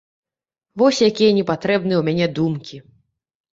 Вось якія непатрэбныя ў мяне думкі.